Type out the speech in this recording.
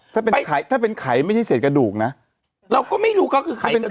ถ้าเป็นไขถ้าเป็นไขไม่ใช่เสียดกระดูกนะเราก็ไม่รู้ก็คือไขกระดูก